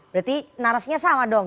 berarti naras nya sama dong